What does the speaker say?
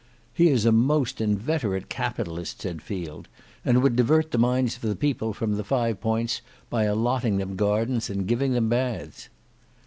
"He is a most inveterate Capitalist," said Field, "and would divert the minds of the people from the Five Points by allotting them gardens and giving them baths."